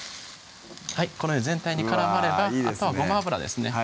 このように全体に絡まればあとはごま油ですね